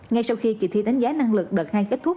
ngay sau khi kỳ thi đánh giá năng lực đợt hai kết thúc